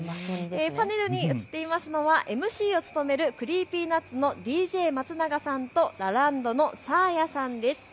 パネルに映っていますのはＭＣを務めるＣｒｅｅｐｙＮｕｔｓのＤＪ松永さんとラランドのサーヤさんです。